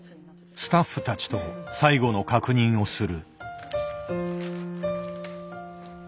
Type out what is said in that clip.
スタッフたちと最後の確認をする。